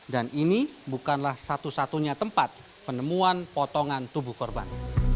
dan ini bukanlah satu satunya tempat penemuan potongan tubuh korban